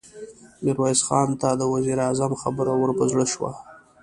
ميرويس خان ته د وزير اعظم خبره ور په زړه شوه.